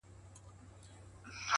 هره پرېکړه یوه نوې لاره جوړوي؛